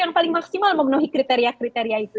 yang paling maksimal memenuhi kriteria kriteria itu